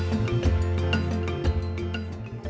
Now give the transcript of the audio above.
pak jokowi memiliki payung gelis yang berbeda